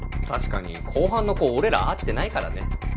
確かに後半の子俺ら会ってないからね。